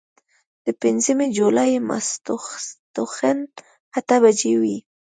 د پنځمې جولايې ماسخوتن اتۀ بجې وې